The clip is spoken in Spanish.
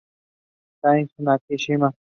Takeshi Nakashima